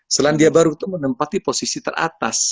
selandia baru itu menempati posisi teratas